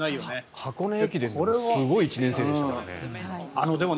箱根駅伝もすごい１年生でしたからね。